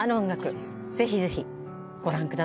ぜひぜひご覧ください。